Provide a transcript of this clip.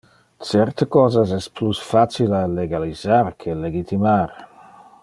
Certe cosas es plus facile a legalisar que legitimar.